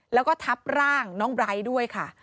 แล้วก็ทับร่างน้องไบร์ทด้วยค่ะ